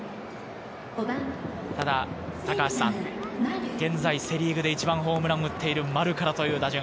ただ現在セ・リーグで一番ホームランを打っている丸からという打順。